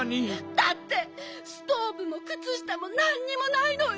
だってストーブもくつしたもなんにもないのよ！